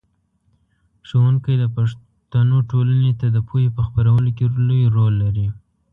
ښوونکی د پښتنو ټولنې ته د پوهې په خپرولو کې لوی رول لري.